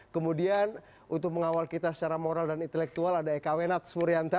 kemudian untuk mengawal kita secara moral dan intelektual ada eka wenat surianta